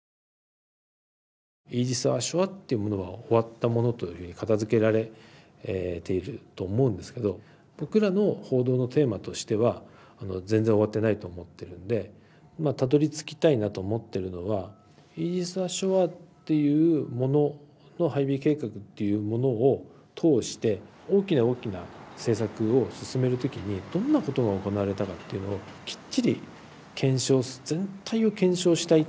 イージス・アショアっていうものは終わったものと片づけられていると思うんですけど僕らの報道のテーマとしては全然終わってないと思ってるんでたどりつきたいなと思ってるのはイージス・アショアっていうものの配備計画っていうものを通して大きな大きな政策を進める時にどんなことが行われたかっていうのをきっちり検証全体を検証したい。